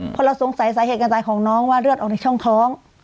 พอเราสงสัยสาเหตุการตายของน้องว่าเลือดออกในช่องท้อง